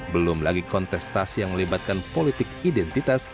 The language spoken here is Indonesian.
belum lagi kontestasi yang melibatkan politik identitas